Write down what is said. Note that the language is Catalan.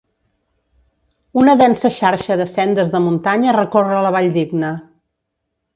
Una densa xarxa de sendes de muntanya recorre la Valldigna.